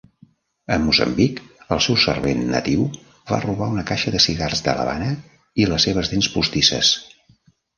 A Moçambic, el seu servent natiu va robar una caixa de cigars de l'Havana i les seves dents postisses.